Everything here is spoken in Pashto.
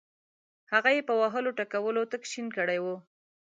هغه یې په وهلو ټکولو تک شین کړی وو.